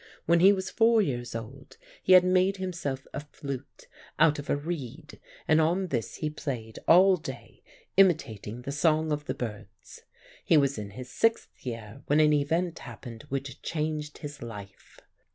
When he was four years old he had made himself a flute out of a reed, and on this he played all day, imitating the song of the birds. He was in his sixth year when an event happened which changed his life.